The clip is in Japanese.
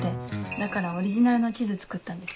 だからオリジナルの地図作ったんです。